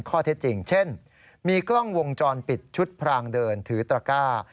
ข้อเท็จจริงเช่นมีกล้องวงจรปิดชุดพรางเดินถือตระก้า